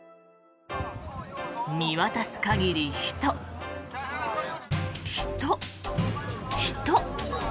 見渡す限り人、人、人。